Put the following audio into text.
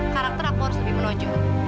karakter aku harus lebih menonjol